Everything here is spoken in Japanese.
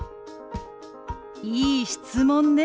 いい質問ね。